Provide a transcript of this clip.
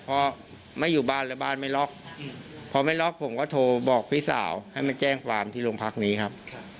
เพราะไม่อยู่บ้านแล้วบ้านไม่ล็อกพอไม่ล็อกผมก็โทรบอกพี่สาวให้มาแจ้งความที่โรงพักนี้ครับ